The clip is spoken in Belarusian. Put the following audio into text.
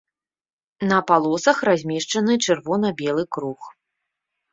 На палосах размешчаны чырвона-белы круг.